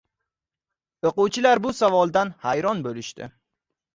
O‘quvchilar bu savoldan hayron bo‘lishdi.